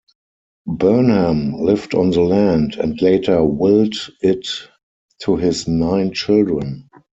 Burnham lived on the land and later willed it to his nine children.